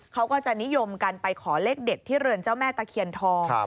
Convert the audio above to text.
เขาก็จะนิยมกันไปขอเลขเด็ดที่เรือนเจ้าแม่ตะเคียนทอง